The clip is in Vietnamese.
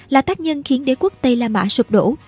là tác nhân khiến đế quốc tây la mã sụp đổ